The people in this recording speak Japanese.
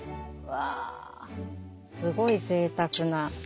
すごいぜいたくな。